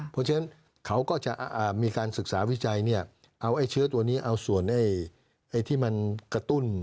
เพราะฉะนั้นเขาก็จะมีการศึกษาวิจัยเอาไอ้เชื้อตัวนี้เอาส่วนที่มันกระตุ้น